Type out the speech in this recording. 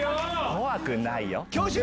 怖くないよ。